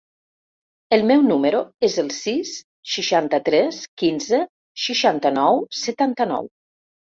El meu número es el sis, seixanta-tres, quinze, seixanta-nou, setanta-nou.